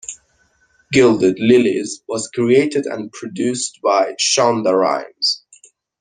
"Gilded Lillys" was created and produced by Shonda Rhimes.